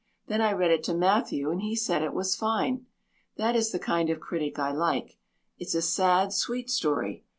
Then I read it to Matthew and he said it was fine. That is the kind of critic I like. It's a sad, sweet story.